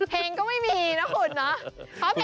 เพลงก็ไม่มีนะคุณเนาะ